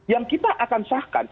yang kita akan sahkan